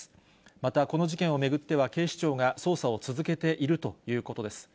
また、この事件を巡っては、警視庁が捜査を続けているということです。